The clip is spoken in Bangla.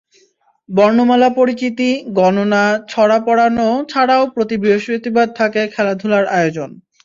বর্ণমালা পরিচিতি, গণনা, ছড়া পড়ানো ছাড়াও প্রতি বৃহস্পতিবার থাকে খেলাধুলার আয়োজন।